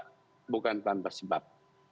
melompat bukan tanpa sebab